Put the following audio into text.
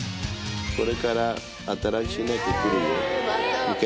これから新しい猫来るよ。